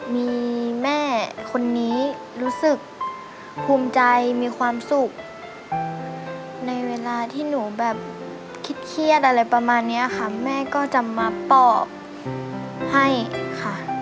มีแม่คนนี้รู้สึกภูมิใจมีความสุขในเวลาที่หนูแบบคิดเครียดอะไรประมาณนี้ค่ะแม่ก็จะมาปอบให้ค่ะ